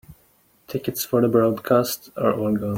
Tickets for the broadcast are all gone.